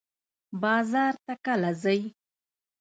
بازار ته کله ځئ؟